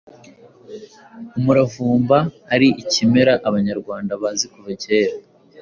umuravumba ari ikimera abanyarwanda bazi kuva kera,